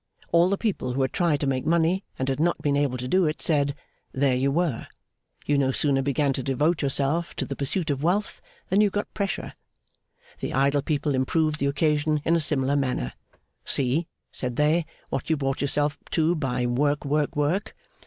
All the people who had tried to make money and had not been able to do it, said, There you were! You no sooner began to devote yourself to the pursuit of wealth than you got Pressure. The idle people improved the occasion in a similar manner. See, said they, what you brought yourself to by work, work, work!